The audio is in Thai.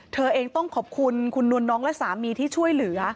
เธอเองต้องขอบคุณคุณนวลน้องและสามีที่ช่วยเหลือ